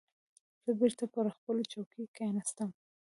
زه بېرته پر خپلې چوکۍ کېناستم.